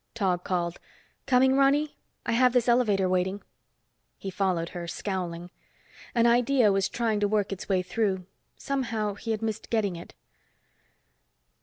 Tog called, "Coming Ronny? I have this elevator waiting." He followed her, scowling. An idea was trying to work its way through. Somehow he missed getting it.